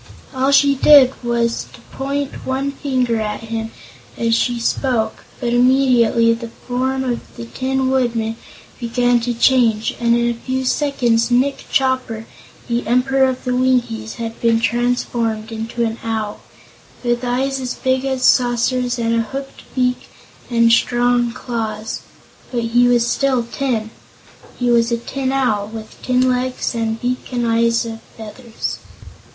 All she did was to point one finger at him as she spoke, but immediately the form of the Tin Woodman began to change and in a few seconds Nick Chopper, the Emperor of the Winkies, had been transformed into an Owl, with eyes as big as saucers and a hooked beak and strong claws. But he was still tin. He was a Tin Owl, with tin legs and beak and eyes and feathers.